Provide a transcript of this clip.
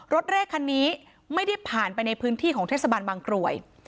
รถเลขคันนี้ไม่ได้ผ่านไปในพื้นที่ของเทศบาลบางกรวย